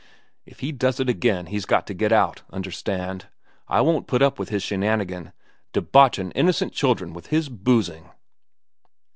"If he does it again, he's got to get out. Understand! I won't put up with his shinanigan—debotchin' innocent children with his boozing."